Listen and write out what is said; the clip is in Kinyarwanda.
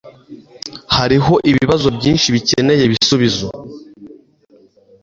Hariho ibibazo byinshi bikeneye ibisubizo